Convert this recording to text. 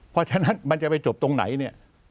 เพราะฉะนั้นมันจะไปจบตรงไหนเนี่ย